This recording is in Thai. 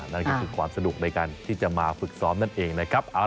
นั่นก็คือความสะดวกในการที่จะมาฝึกซ้อมนั่นเองนะครับ